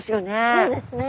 そうですね。